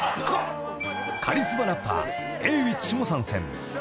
［カリスマラッパーＡｗｉｃｈも参戦］